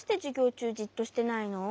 ちゅうじっとしてないの？